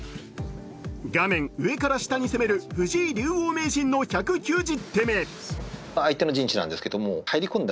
画面上から下に攻める藤井竜王名人の１９０手目。